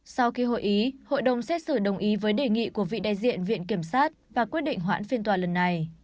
sau khi hội ý hội đồng xét xử đồng ý với đề nghị của vị đại diện viện kiểm sát và quyết định hoãn phiên tòa lần này